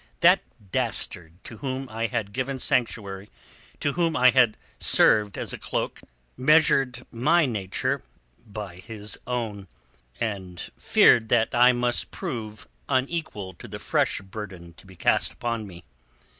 That dastard to whom I had given sanctuary, to whom I had served as a cloak, measured my nature by his own and feared that I must prove unequal to the fresh burden to be cast upon me.